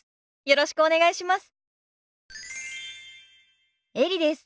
よろしくお願いします。